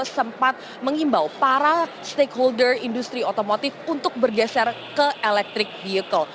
sempat mengimbau para stakeholder industri otomotif untuk bergeser ke electric vehicle